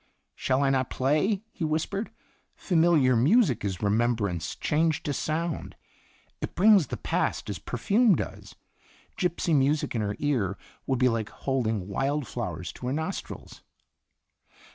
"Shall I not play?" he whispered. "Fa miliar music is remembrance changed to sound it brings the past as perfume does. Gypsy music in her ear would be like holding wild flowers to hei nostrils."